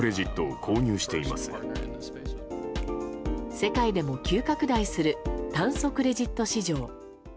世界でも急拡大する炭素クレジット市場。